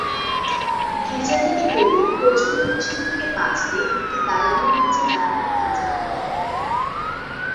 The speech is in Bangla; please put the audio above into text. গির্জা থেকে বেরিয়ে প্রচন্ড বৃষ্টি থেকে বাঁচতে এক দালানের নিচে দাঁড়ায় এলিজাবেথ।